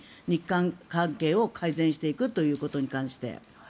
日韓関係を改善していくということに関して。